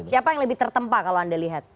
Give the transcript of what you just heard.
siapa yang lebih tertempa kalau anda lihat